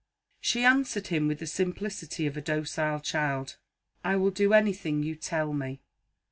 She answered him with the simplicity of a docile child: "I will do anything you tell me."